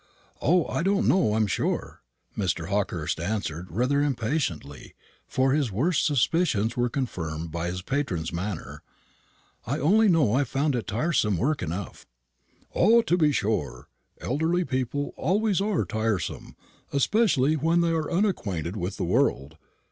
"O, I don't know, I'm sure," Mr. Hawkehurst answered rather impatiently, for his worst suspicions were confirmed by his patron's manner; "I only know I found it tiresome work enough." "Ah, to be sure! elderly people always are tiresome, especially when they are unacquainted with the world.